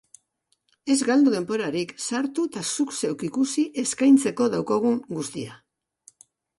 Ez galdu denborarik, sartu eta zuk zeuk ikusi eskaintzeko daukagun guztia.